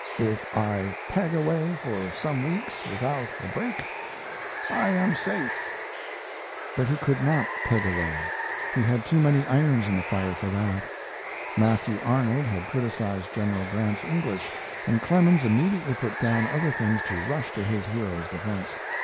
If I peg away for some weeks without a break I am safe. But he could not peg away. He had too many irons in the fire for that. Matthew Arnold had criticized General Grant's English, and Clemens immediately put down other things to rush to his hero's defense.